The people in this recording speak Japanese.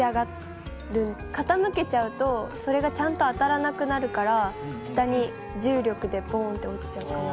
傾けちゃうとそれがちゃんと当たらなくなるから下に重力でボンって落ちちゃうかな。